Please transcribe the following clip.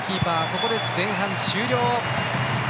ここで前半終了。